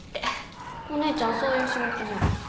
お姉ちゃんそういう仕事じゃん。